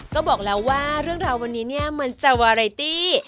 ก็บอกแล้วว่าเรื่องราววันนี้เนี่ยมันจะวาไรตี้